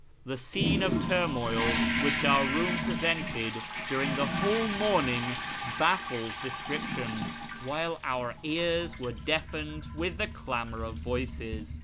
The scene of turmoil which our room presented during the whole morning baffles descrip tion, while our ears were deafened with the clamour of voices.